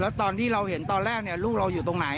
แล้วตอนที่เราเห็นตอนแรกลูกเราอยู่ตรงไหน